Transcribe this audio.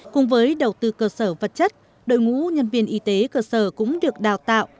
cùng với đầu tư cơ sở vật chất đội ngũ nhân viên y tế cơ sở cũng được đào tạo